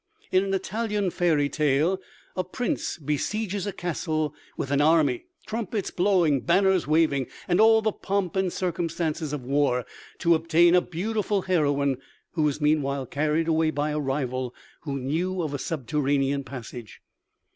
In an Italian fairy tale a prince besieges a castle with an army trumpets blowing, banners waving, and all the pomp and circumstances of war to obtain a beautiful heroine who is meanwhile carried away by a rival who knew of a subterranean passage.